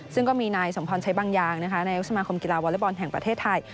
ซึ่งก็มีนายสมพรใช้บางอย่างนายกสมาคมกีฬาวอเล็กบอลแห่งประเทศไทย